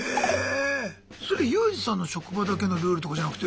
それユージさんの職場だけのルールとかじゃなくて？